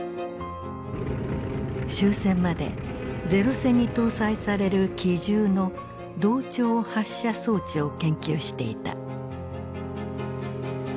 終戦まで零戦に搭載される機銃の同調発射装置を研究していた。